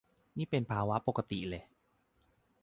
นี่เป็นภาวะปกติเลย